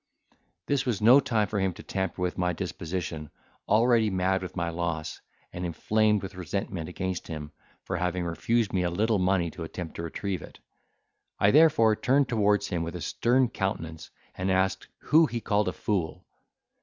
This was no time for him to tamper with my disposition, already mad with my loss, and inflamed with resentment against him for having refused me a little money to attempt to retrieve it. I therefore turned towards him with a stern countenance, and asked, who he called fool?